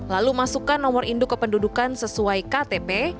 lalu masukkan nomor induk kependudukan sesuai ktp